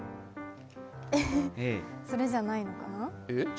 それじゃないのかな？